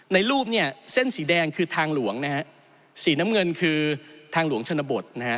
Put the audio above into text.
รูปเนี่ยเส้นสีแดงคือทางหลวงนะฮะสีน้ำเงินคือทางหลวงชนบทนะฮะ